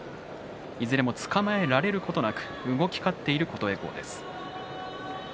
いずれもつかまえられることなく動き勝っている琴恵光です。